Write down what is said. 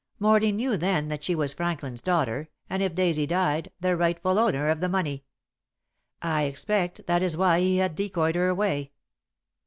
Morley knew then that she was Franklin's daughter, and, if Daisy died, the rightful owner of the money. I expect that is why he had decoyed her away.